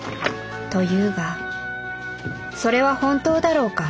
というがそれは本当だろうか？